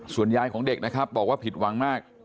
ส่วนยายของเด็กนะครับบอกว่าผิดหวังมาก